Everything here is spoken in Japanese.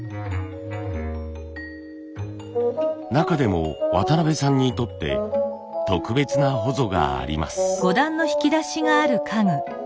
中でも渡邊さんにとって特別なほぞがあります。